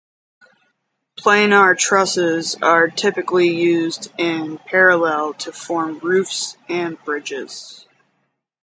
Planar trusses are typically used in parallel to form roofs and bridges.